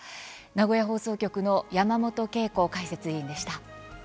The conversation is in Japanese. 名古屋放送局の山本恵子解説委員でした。